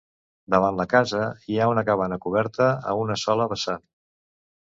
Davant la casa hi ha una cabana coberta a una sola vessant.